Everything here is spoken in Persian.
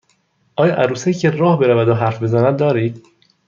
آیا عروسکی که راه برود و حرف بزند دارید؟